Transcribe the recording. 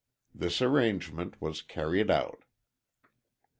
This arrangement was carried out.